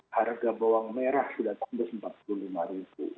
harga bawang merah sudah tambah empat puluh lima ribu